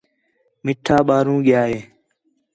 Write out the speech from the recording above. میٹھا ٻاہروں ڳِیا ہِے